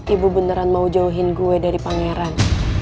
ibu beneran mau jauhin gue dari pangeran